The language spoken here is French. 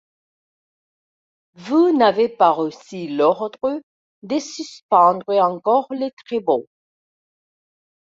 Vous n'avez pas reçu l'ordre de suspendre encore les travaux.